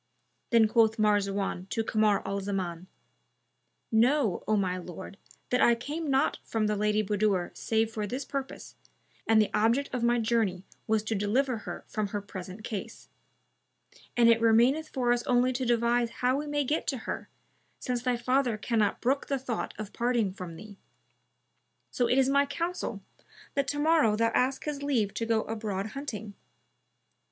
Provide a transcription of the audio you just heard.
Then quoth Marzawan to Kamar al Zaman, "Know, O my lord, that I came not from the Lady Budur save for this purpose, and the object of my journey was to deliver her from her present case; and it remaineth for us only to devise how we may get to her, since thy father cannot brook the thought of parting from thee. So it is my counsel that to morrow thou ask his leave to go abroad hunting.